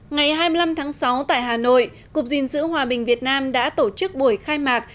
ngày hai mươi năm tháng sáu tại hà nội cục gìn giữ hòa bình việt nam đã tổ chức buổi khai mạc